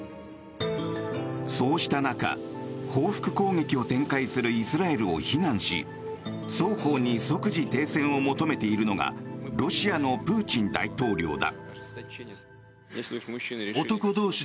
そうした中、報復攻撃を展開するイスラエルを非難し双方に即時停戦を求めているのがロシアのプーチン大統領だ。